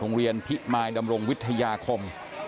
โรงเรียนพิมายดำรงวิทยาคม